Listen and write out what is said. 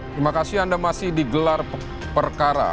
terima kasih anda masih di gelar perkara